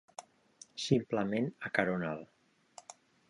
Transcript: Simplement acarona'l.